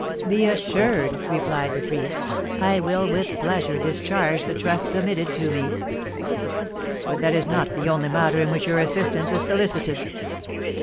"Be assured," replied the priest, "I will with pleasure discharge the trust committed to me." "But that is not the only matter in which your assistance is solicited."